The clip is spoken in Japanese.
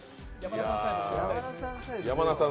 山名さん